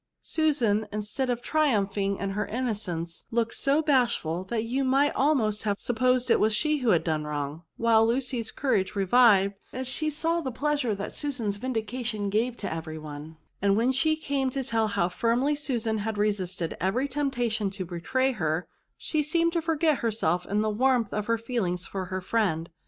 Susan, instead of VERBS. 249 triumphing in her innocence^ looked so bash ful, that you might almost hare supposed it was she who had done wrong ; while Lucy's courage revived, as she saw the pleasure that Susan's vindication gave to every one; and when* she came to tell how firmly Susan had resisted every temptation to betray her, she seemed to forget herself in the waitnth of her feelings for her friend.